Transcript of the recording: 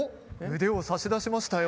腕を差し出しましたよ。